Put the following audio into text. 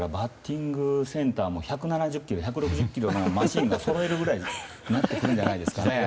バッティングセンターも１７０キロ１６０キロのマシンがそろうくらいになってくるんじゃないですかね。